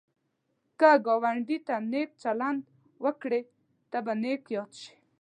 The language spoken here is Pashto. که ګاونډي ته نېک چلند وکړې، ته به نېک یاد شي